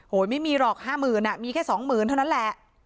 ไม่มีหรอก๕๐๐๐มีแค่๒๐๐๐เท่านั้นแหละ